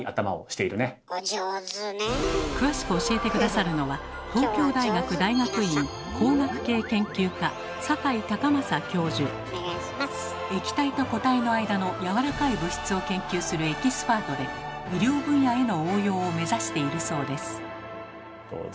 詳しく教えて下さるのは液体と固体の間のやわらかい物質を研究するエキスパートで医療分野への応用を目指しているそうです。